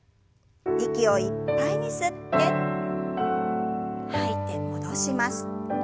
息をいっぱいに吸って吐いて戻します。